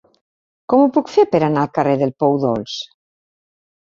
Com ho puc fer per anar al carrer del Pou Dolç?